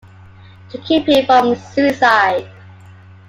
To keep him from suicide.